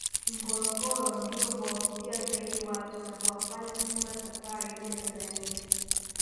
Ngorongoro ndiyo huwavutia zaidi watu na kuwafanya kufunga safari kuja Tanzania